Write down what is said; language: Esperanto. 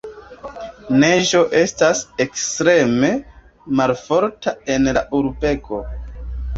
Neĝo estas ekstreme malofta en la urbego.